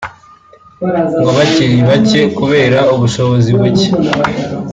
ngo bakira bake kubera ubushobozi buke